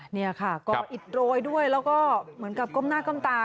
นี่ค่ะก็อิดโรยด้วยแล้วก็เหมือนกับก้มหน้าก้มตา